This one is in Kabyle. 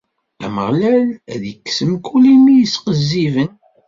Ameɣlal ad ikkes mkul imi i yesqizziben.